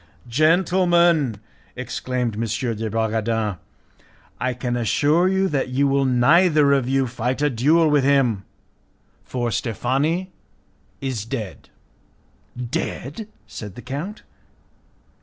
"Gentlemen," exclaimed M. de Bragadin, "I can assure you that you will neither of you fight a duel with him, for Steffani is dead." "Dead!" said the count.